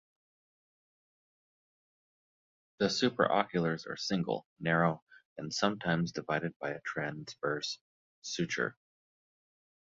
The supraoculars are single, narrow, and sometimes divided by a transverse suture.